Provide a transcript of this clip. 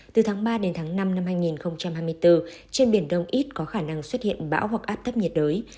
từ tháng ba đến tháng năm năm hai nghìn hai mươi bốn trên biển đông ít có khả năng xuất hiện bão hoặc áp thấp nhiệt đới